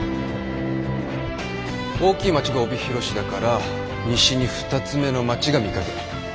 大きい町が帯広市だから西に２つ目の町が御影。